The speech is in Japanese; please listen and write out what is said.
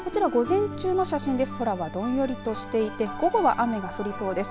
こちら、午前中の写真で空はどんよりとしていて午後は雨が降りそうです。